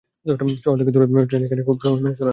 শহর থেকে দূরে বলে ট্রেন এখানে খুব সময় মেনে চলে না।